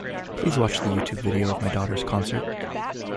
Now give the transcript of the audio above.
Please watch the Youtube video of my daughter's concert